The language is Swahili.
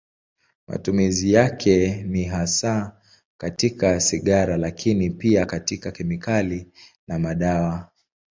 Matumizi yake ni hasa katika sigara, lakini pia katika kemikali na madawa.